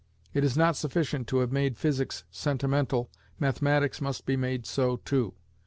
It is not sufficient to have made physics sentimental, mathematics must be made so too.